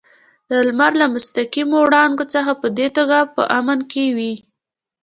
د لمر له مستقیمو وړانګو څخه په دې توګه په امن کې وي.